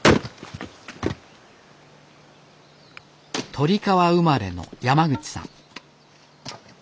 鳥川生まれの山口さん。